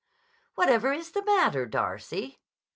"What ever is the matter, Darcy?"